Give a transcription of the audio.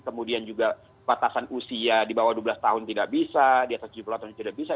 kemudian juga batasan usia di bawah dua belas tahun tidak bisa di atas tujuh belas tahun tidak bisa